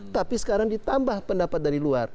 tapi sekarang ditambah pendapat dari luar